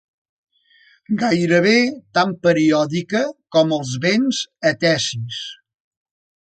Gairebé tan periòdica com els vents etesis.